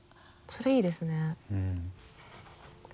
それいいですね。